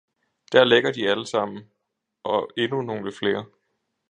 der ligger de alle sammen, og endnu nogle flere!